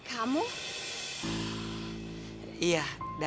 tapi aku liat dia